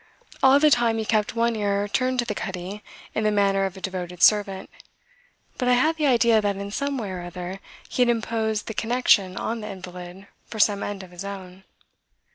All the time he kept one ear turned to the cuddy in the manner of a devoted servant, but I had the idea that in some way or other he had imposed the connection on the invalid for some end of his own.